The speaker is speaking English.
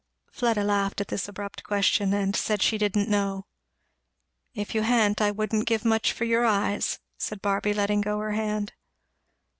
Fleda laughed at this abrupt question, and said she didn't know. "If you ha'n't, I wouldn't give much for your eyes," said Barby letting go her hand.